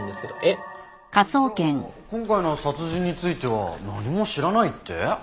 じゃあ今回の殺人については何も知らないって？